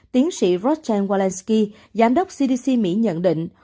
tiến sĩ rodney walensky giám đốc cdc mỹ nhận định